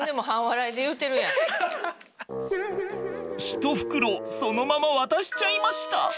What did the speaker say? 一袋そのまま渡しちゃいました。